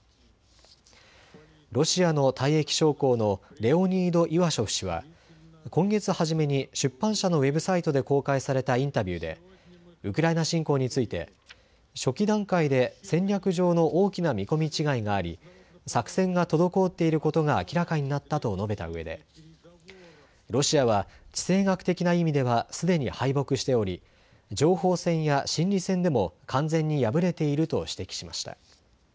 ロシアの退役将校のレオニード・イワショフ氏は今月初めに出版社のウェブサイトで公開されたインタビューでウクライナ侵攻について初期段階で戦略上の大きな見込み違いがあり、作戦が滞っていることが明らかになったと述べたうえでロシアは地政学的な意味ではすでに敗北しており情報戦や心理戦でも完全に敗れていると指摘しました。